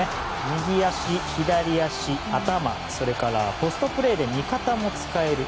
右足、左足、頭それから、ポストプレーで味方も使える。